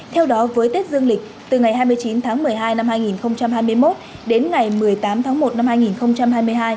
theo đó với tết dương lịch từ ngày hai mươi chín tháng một mươi hai năm hai nghìn hai mươi một đến ngày một mươi tám tháng một năm hai nghìn hai mươi hai